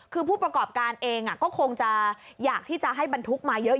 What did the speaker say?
คือผู้ประกอบการเองก็คงจะอยากที่จะให้บรรทุกมาเยอะ